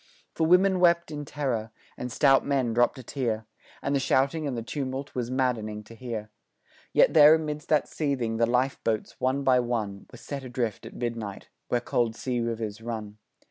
For women wept in terror, and stout men drop'd a tear, And the shouting and the tumult was maddening to hear, Yet there amidst that seething the life boats, one by one, Were set adrift at midnight where cold sea rivers run.